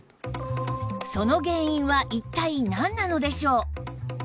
その原因は一体なんなのでしょう？